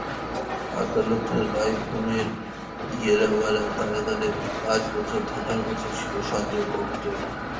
আদালতের রায়ে পুনের ইয়েরাওয়াড়া কারাগারে পাঁচ বছর থাকার কথা ছিল সঞ্জয় দত্তের।